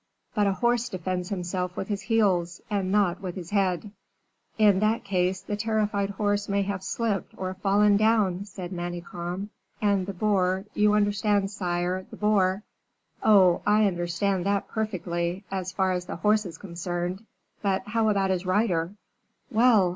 "But a horse defends himself with his heels and not with his head." "In that case, the terrified horse may have slipped or fallen down," said Manicamp, "and the boar, you understand sire, the boar " "Oh! I understand that perfectly, as far as the horse is concerned; but how about his rider?" "Well!